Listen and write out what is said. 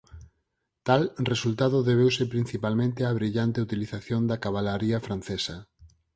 Tal resultado debeuse principalmente á brillante utilización da cabalaría francesa.